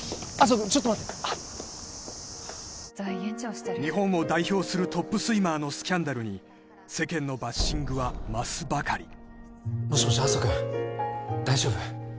ちょっと待ってあっ日本を代表するトップスイマーのスキャンダルに世間のバッシングは増すばかりもしもし麻生君大丈夫？